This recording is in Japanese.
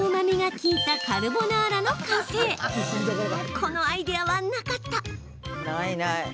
このアイデアはなかった。